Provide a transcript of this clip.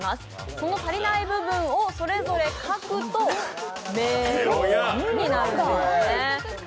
その足りない部分をそれぞれ書くとメロンになるんですね。